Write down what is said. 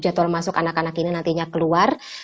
jadwal masuk anak anak ini nantinya keluar